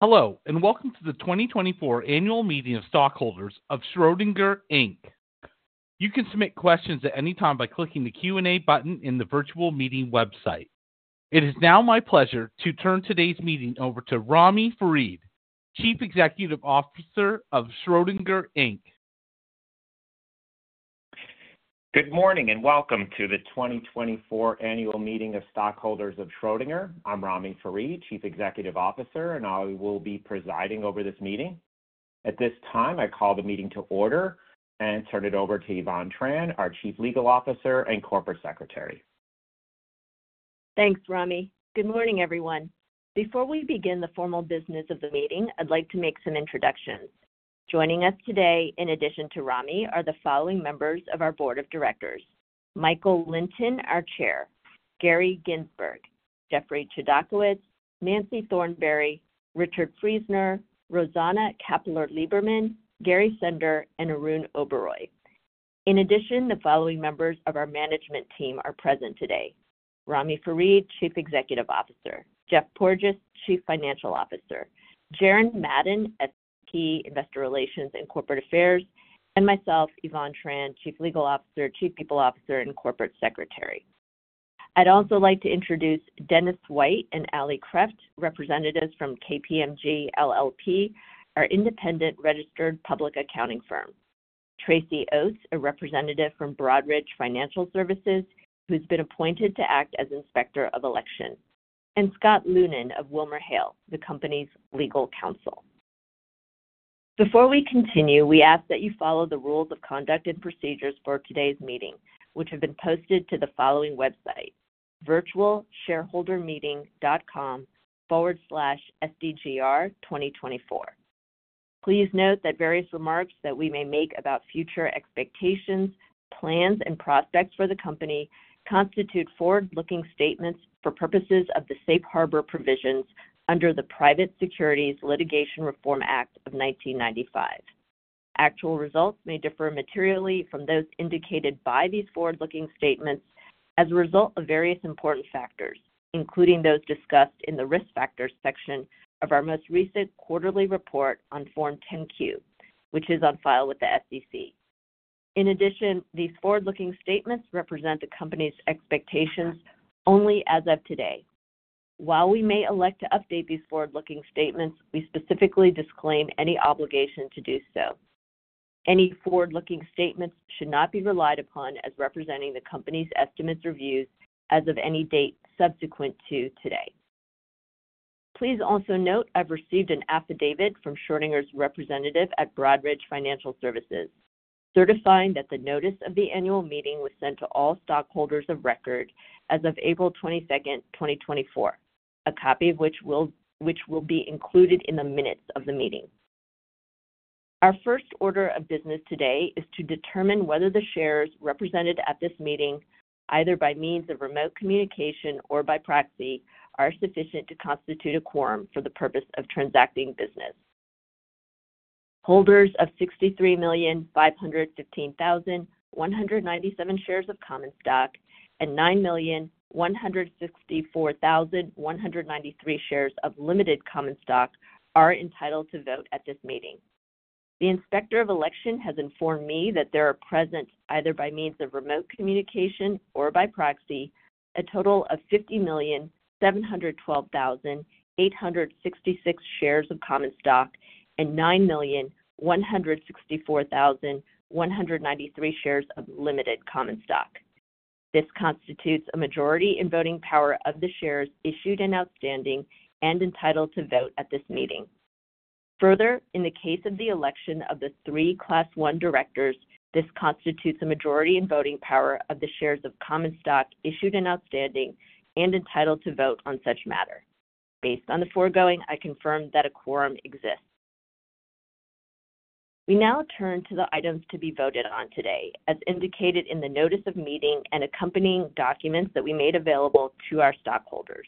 Hello, and welcome to the 2024 Annual Meeting of Stockholders of Schrödinger, Inc. You can submit questions at any time by clicking the Q&A button in the virtual meeting website. It is now my pleasure to turn today's meeting over to Ramy Farid, Chief Executive Officer of Schrödinger, Inc. Good morning, and welcome to the 2024 Annual Meeting of Stockholders of Schrödinger. I'm Ramy Farid, Chief Executive Officer, and I will be presiding over this meeting. At this time, I call the meeting to order and turn it over to Yvonne Tran, our Chief Legal Officer and Corporate Secretary. Thanks, Ramy. Good morning, everyone. Before we begin the formal business of the meeting, I'd like to make some introductions. Joining us today, in addition to Ramy, are the following members of our Board of Directors: Michael Lynton, our Chair, Gary Ginsberg, Jeffrey Chodakewitz, Nancy Thornberry, Richard Friesner, Rosana Kapeller-Libermann, Gary Sender, and Arun Oberoi. In addition, the following members of our management team are present today: Ramy Farid, Chief Executive Officer, Geoff Porges, Chief Financial Officer, Jaren Madden, Senior Vice President, Investor Relations and Corporate Affairs, and myself, Yvonne Tran, Chief Legal Officer, Chief People Officer, and Corporate Secretary. I'd also like to introduce Dennis White and Allie Kreft, representatives from KPMG LLP, our independent registered public accounting firm; Tracy Oates, a representative from Broadridge Financial Solutions, who's been appointed to act as Inspector of Election; and Scott Lunin of WilmerHale, the company's legal counsel. Before we continue, we ask that you follow the rules of conduct and procedures for today's meeting, which have been posted to the following website: virtualshareholdermeeting.com/sdgr2024. Please note that various remarks that we may make about future expectations, plans, and prospects for the company constitute forward-looking statements for purposes of the Safe Harbor Provisions under the Private Securities Litigation Reform Act of 1995. Actual results may differ materially from those indicated by these forward-looking statements as a result of various important factors, including those discussed in the Risk Factors section of our most recent quarterly report on Form 10-Q, which is on file with the SEC. In addition, these forward-looking statements represent the company's expectations only as of today. While we may elect to update these forward-looking statements, we specifically disclaim any obligation to do so. Any forward-looking statements should not be relied upon as representing the Company's estimates or views as of any date subsequent to today. Please also note, I've received an affidavit from Schrödinger's representative at Broadridge Financial Solutions, certifying that the notice of the annual meeting was sent to all stockholders of record as of April 22, 2024, a copy of which will be included in the minutes of the meeting. Our first order of business today is to determine whether the shares represented at this meeting, either by means of remote communication or by proxy, are sufficient to constitute a quorum for the purpose of transacting business. Holders of 63,515,197 shares of common stock and 9,164,193 shares of limited common stock are entitled to vote at this meeting. The Inspector of Election has informed me that there are present, either by means of remote communication or by proxy, a total of 50,712,866 shares of common stock and 9,164,193 shares of limited common stock. This constitutes a majority in voting power of the shares issued and outstanding and entitled to vote at this meeting. Further, in the case of the election of the three Class I directors, this constitutes a majority in voting power of the shares of common stock issued and outstanding and entitled to vote on such matter. Based on the foregoing, I confirm that a quorum exists. We now turn to the items to be voted on today, as indicated in the notice of meeting and accompanying documents that we made available to our stockholders.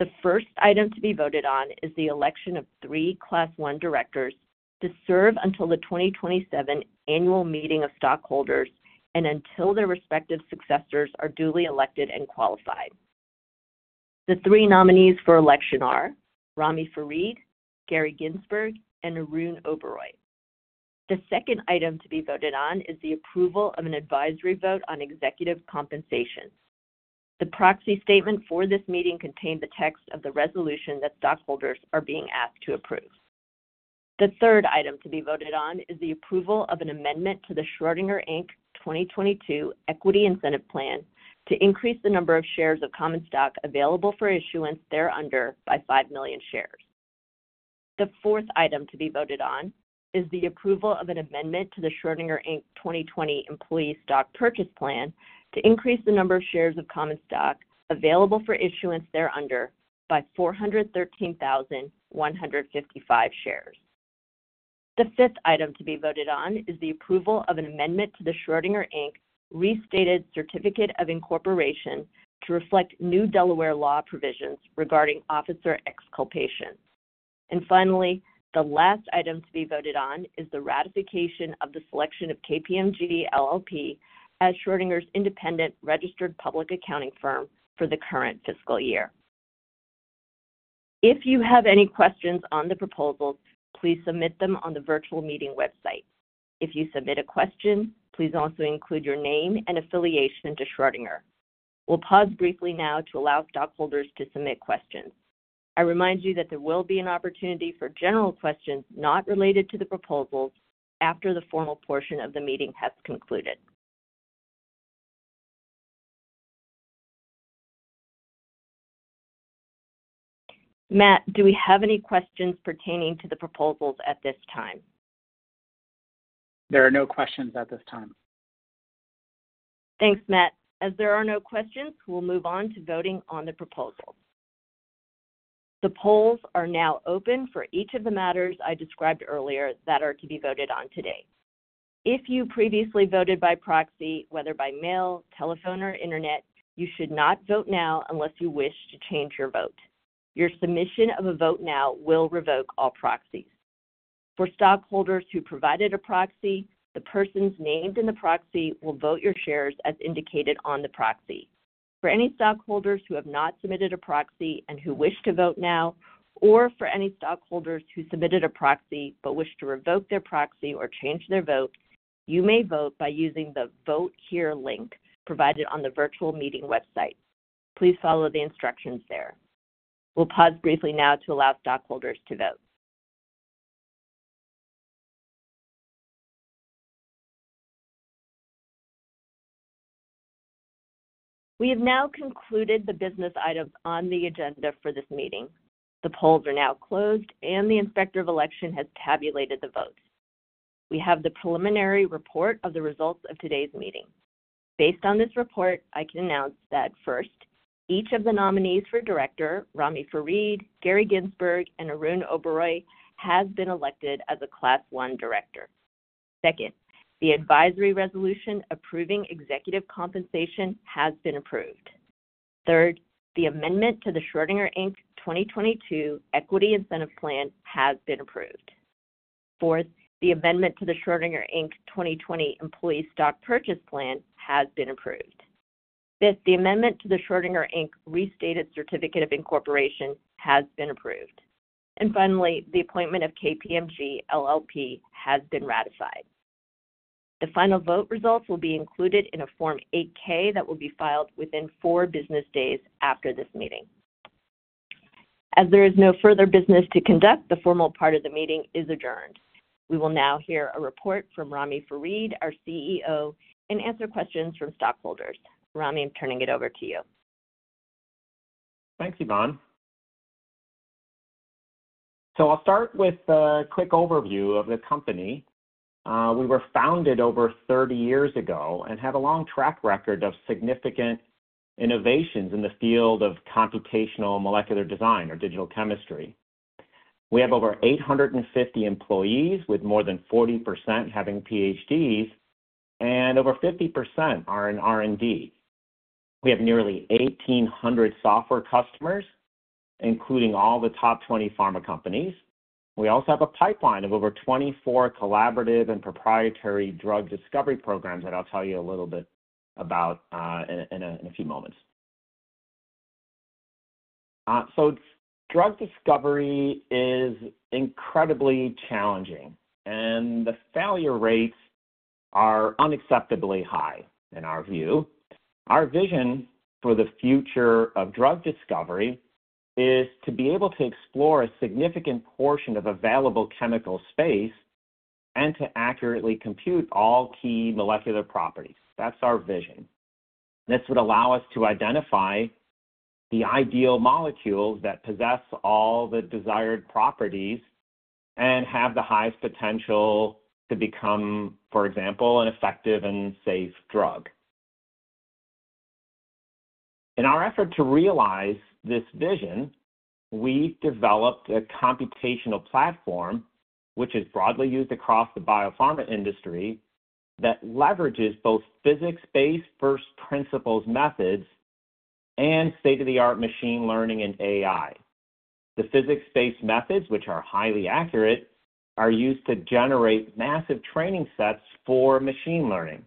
The first item to be voted on is the election of three Class I directors to serve until the 2027 Annual Meeting of Stockholders and until their respective successors are duly elected and qualified. The three nominees for election are Ramy Farid, Gary Ginsberg, and Arun Oberoi. The second item to be voted on is the approval of an advisory vote on executive compensation. The proxy statement for this meeting contained the text of the resolution that stockholders are being asked to approve. The third item to be voted on is the approval of an amendment to the Schrödinger, Inc 2022 Equity Incentive Plan to increase the number of shares of common stock available for issuance thereunder by 5 million shares. The fourth item to be voted on is the approval of an amendment to the Schrödinger, Inc. 2020 Employee Stock Purchase Plan to increase the number of shares of common stock available for issuance thereunder by 413,155 shares. The fifth item to be voted on is the approval of an amendment to the Schrödinger, Inc Restated Certificate of Incorporation to reflect new Delaware law provisions regarding officer exculpation. Finally, the last item to be voted on is the ratification of the selection of KPMG LLP as Schrödinger's independent registered public accounting firm for the current fiscal year. If you have any questions on the proposals, please submit them on the virtual meeting website. If you submit a question, please also include your name and affiliation to Schrödinger. We'll pause briefly now to allow stockholders to submit questions. I remind you that there will be an opportunity for general questions not related to the proposals after the formal portion of the meeting has concluded. Matt, do we have any questions pertaining to the proposals at this time? There are no questions at this time. Thanks, Matt. As there are no questions, we'll move on to voting on the proposals. The polls are now open for each of the matters I described earlier that are to be voted on today. If you previously voted by proxy, whether by mail, telephone, or internet, you should not vote now unless you wish to change your vote. Your submission of a vote now will revoke all proxies. For stockholders who provided a proxy, the persons named in the proxy will vote your shares as indicated on the proxy. For any stockholders who have not submitted a proxy and who wish to vote now, or for any stockholders who submitted a proxy but wish to revoke their proxy or change their vote, you may vote by using the Vote Here link provided on the virtual meeting website. Please follow the instructions there. We'll pause briefly now to allow stockholders to vote. We have now concluded the business items on the agenda for this meeting. The polls are now closed, and the Inspector of Election has tabulated the votes. We have the preliminary report of the results of today's meeting. Based on this report, I can announce that first, each of the nominees for director, Ramy Farid, Gary Ginsberg, and Arun Oberoi, has been elected as a Class I director. Second, the advisory resolution approving executive compensation has been approved. Third, the amendment to the Schrödinger Inc 2022 Equity Incentive Plan has been approved. Fourth, the amendment to the Schrödinger Inc 2020 Employee Stock Purchase Plan has been approved. Fifth, the amendment to the Schrödinger Inc Restated Certificate of Incorporation has been approved. And finally, the appointment of KPMG LLP has been ratified. The final vote results will be included in a Form 8-K that will be filed within 4 business days after this meeting. As there is no further business to conduct, the formal part of the meeting is adjourned. We will now hear a report from Ramy Farid, our CEO, and answer questions from stockholders. Ramy, I'm turning it over to you. Thanks, Yvonne. So I'll start with a quick overview of the company. We were founded over 30 years ago and have a long track record of significant innovations in the field of computational molecular design or digital chemistry. We have over 850 employees, with more than 40% having PhDs, and over 50% are in R&D. We have nearly 1,800 software customers, including all the top 20 pharma companies. We also have a pipeline of over 24 collaborative and proprietary drug discovery programs that I'll tell you a little bit about in a few moments. So drug discovery is incredibly challenging, and the failure rates are unacceptably high, in our view. Our vision for the future of drug discovery is to be able to explore a significant portion of available chemical space and to accurately compute all key molecular properties. That's our vision. This would allow us to identify the ideal molecules that possess all the desired properties and have the highest potential to become, for example, an effective and safe drug. In our effort to realize this vision, we've developed a computational platform, which is broadly used across the biopharma industry, that leverages both physics-based first principles methods, and state-of-the-art machine learning and AI. The physics-based methods, which are highly accurate, are used to generate massive training sets for machine learning,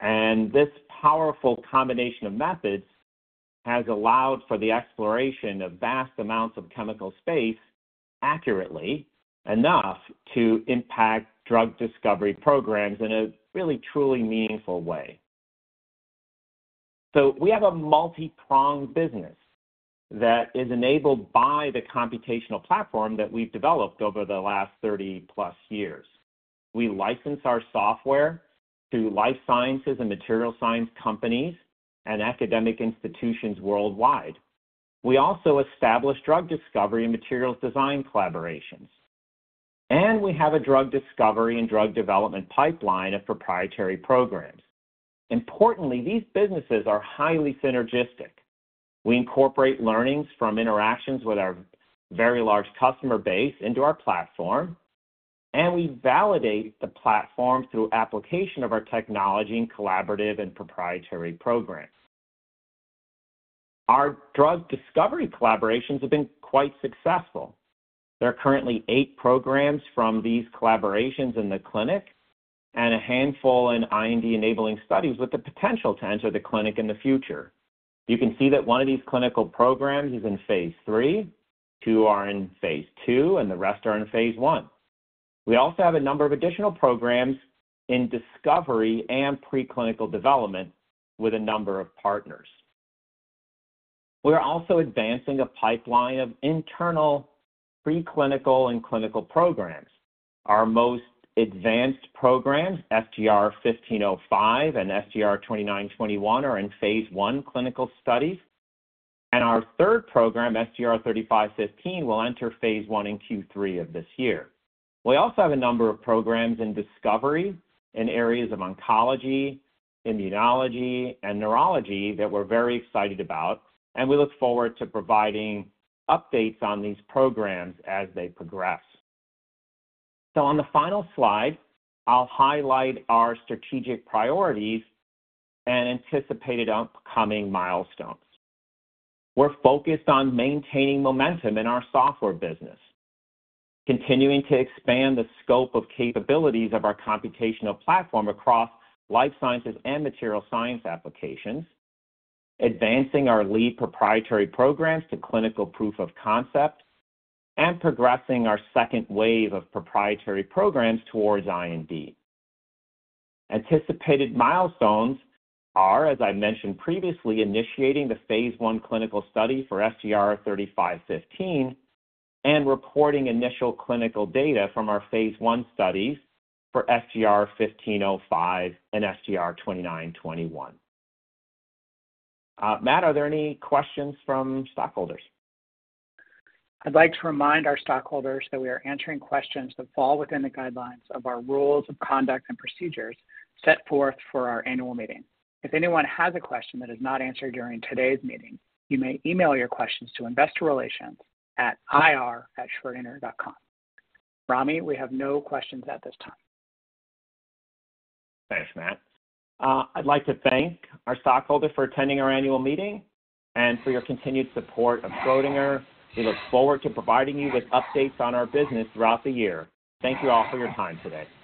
and this powerful combination of methods has allowed for the exploration of vast amounts of chemical space accurately enough to impact drug discovery programs in a really truly meaningful way. So we have a multipronged business that is enabled by the computational platform that we've developed over the last 30+ years. We license our software to life sciences and materials science companies and academic institutions worldwide. We also establish drug discovery and materials design collaborations, and we have a drug discovery and drug development pipeline of proprietary programs. Importantly, these businesses are highly synergistic. We incorporate learnings from interactions with our very large customer base into our platform, and we validate the platform through application of our technology in collaborative and proprietary programs. Our drug discovery collaborations have been quite successful. There are currently eight programs from these collaborations in the clinic, and a handful in IND-enabling studies with the potential to enter the clinic in the future. You can see that one of these clinical programs is in Phase III, two are in Phase II, and the rest are in Phase I. We also have a number of additional programs in discovery and preclinical development with a number of partners. We are also advancing a pipeline of internal preclinical and clinical programs. Our most advanced programs, SGR-1505 and SGR-2921, are in Phase I clinical studies, and our third program, SGR-3515, will enter Phase I in Q3 of this year. We also have a number of programs in discovery in areas of oncology, immunology, and neurology that we're very excited about, and we look forward to providing updates on these programs as they progress. So on the final slide, I'll highlight our strategic priorities and anticipated upcoming milestones. We're focused on maintaining momentum in our software business, continuing to expand the scope of capabilities of our computational platform across life sciences and material science applications, advancing our lead proprietary programs to clinical proof of concept, and progressing our second wave of proprietary programs towards IND. Anticipated milestones are, as I mentioned previously, initiating the Phase I clinical study for SGR-3515, and reporting initial clinical data from our Phase I studies for SGR-1505 and SGR-2921. Matt, are there any questions from stockholders? I'd like to remind our stockholders that we are answering questions that fall within the guidelines of our rules of conduct and procedures set forth for our annual meeting. If anyone has a question that is not answered during today's meeting, you may email your questions to investor relations at ir@schrodinger.com. Ramy, we have no questions at this time. Thanks, Matt. I'd like to thank our stockholders for attending our annual meeting and for your continued support of Schrödinger. We look forward to providing you with updates on our business throughout the year. Thank you all for your time today.